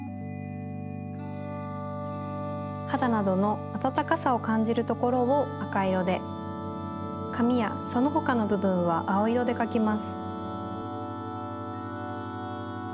はだなどのあたたかさをかんじるところをあかいろでかみやそのほかのぶぶんはあおいろでかきます。